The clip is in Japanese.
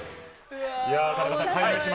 田中さん。